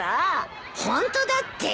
ホントだって。